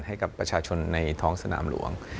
ให้กับประชาชนในท้องสนามหลวง